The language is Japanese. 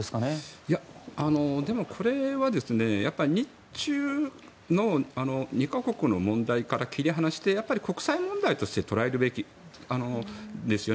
いや、でもこれはやっぱり日中の２か国の問題から切り離してやっぱり国際問題として取り上げるべきですよね。